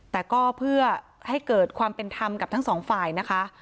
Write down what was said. แต่ก็เพื่อให้เกิดความเป็นธรรมกับทั้งสองฝ่ายนะคะ